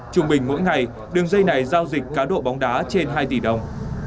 trung bình mỗi ngày đường dây này giao dịch cá độ bóng đá trên hai tỷ đồng